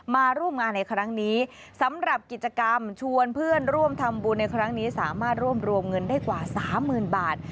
มาร่วมงานในครั้งนี้สำหรับกิจกรรมชวนเพื่อนร่วมทำบุญในครั้งนี้สามารถรวบรวมเงินได้กว่าสามหมื่นบาท